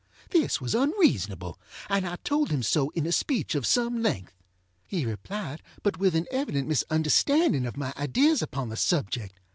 This was unreasonable, and I told him so in a speech of some length. He replied, but with an evident misunderstanding of my ideas upon the subject.